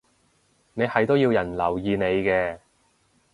你係都要人留意你嘅